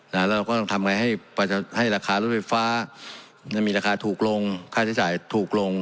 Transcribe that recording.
แล้วเราก็ต้องทำไงให้ราคารถไฟฟ้ามีราคาถูกลงค่าใช้จ่ายถูกลง